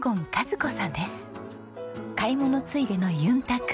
買い物ついでの「ゆんたく」